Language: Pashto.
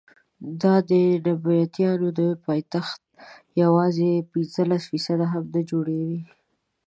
دا د نبطیانو د پایتخت یوازې پنځلس فیصده هم نه جوړوي.